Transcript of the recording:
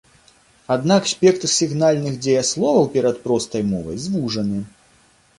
Аднак спектр сігнальных дзеясловаў перад простай мовай звужаны.